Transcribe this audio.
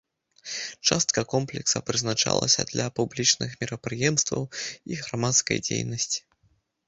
Частка комплекса прызначалася для публічных мерапрыемстваў і грамадскай дзейнасці.